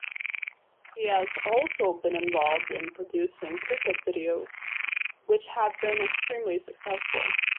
He has also been involved in producing cricket videos, which have been extremely successful.